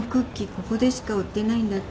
ここでしか売ってないんだって。